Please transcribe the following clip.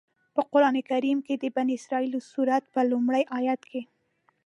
په قرآن کریم کې د بنی اسرائیل سورت په لومړي آيت کې.